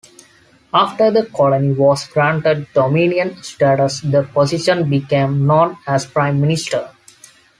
After the colony was granted dominion status, the position became known as Prime Minister.